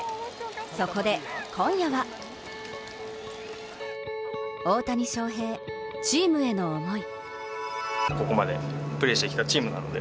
そこで今夜は大谷翔平、チームへの思い。